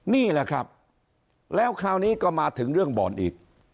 นี่แหละครับแล้วคราวนี้ก็มาถึงเรื่องบ่อนอีก